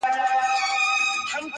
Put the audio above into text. د دغې شاخسانه وي